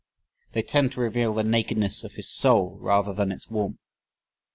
They tend to reveal the nakedness of his soul rather than its warmth.